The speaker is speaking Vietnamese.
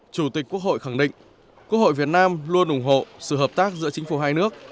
chủ tịch quốc hội khẳng định quốc hội việt nam luôn ủng hộ sự hợp tác giữa chính phủ hai nước